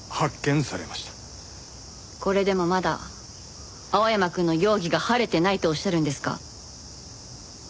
これでもまだ青山くんの容疑が晴れてないとおっしゃるんですか？